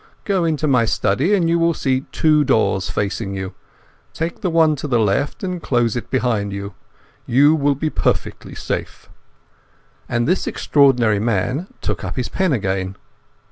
Go into my study, and you will see two doors facing you. Take the one on the left and close it behind you. You will be perfectly safe." And this extraordinary man took up his pen again.